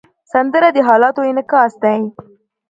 سندره د حالاتو انعکاس دی